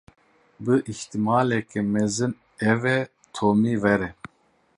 Bi îhtîmaleke mezin ew ê Tomî were.